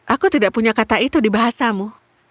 aku tidak punya kata itu di bahasamu